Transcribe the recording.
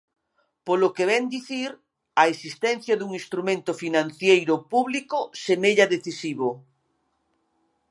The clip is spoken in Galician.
Polo que vén dicir, a existencia dun instrumento financeiro público semella decisivo.